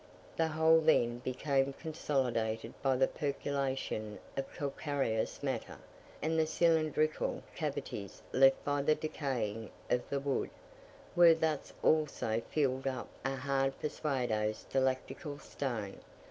The whole then became consolidated by the percolation of calcareous matter; and the cylindrical cavities left by the decaying of the wood, were thus also filled up with a hard pseudo stalactical stone.